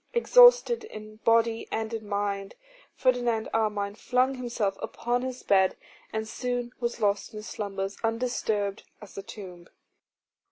Exhausted in body and in mind, Ferdinand Armine flung himself upon his bed, and soon was lost in slumbers undisturbed as the tomb.